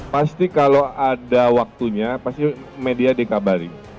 pasti kalau ada waktunya pasti media dikabari